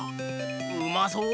うまそう！